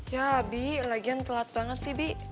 ya bi lagian telat banget sih bi